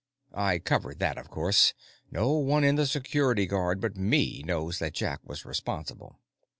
"I covered that, of course. No one in the Security Guard but me knows that Jack was responsible."